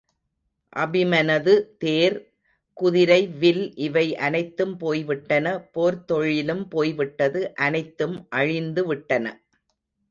அபிமனது தேர், குதிரை, வில் இவை அனைத்தும் போய்விட்டன போர்த்தொழிலும் போய்விட்டது அனைத்தும் அழிந்து விட்டன.